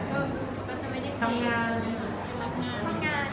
นอกจากนี้ก็ทำงาน